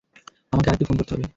আমাকে আরেকটি ফোন করতে হবে।